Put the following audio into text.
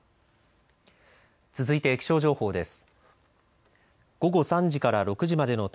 続いて気象情報です。